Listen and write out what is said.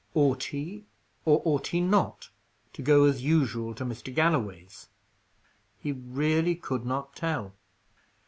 Ought he, or ought he not, to go as usual to Mr. Galloway's? He really could not tell.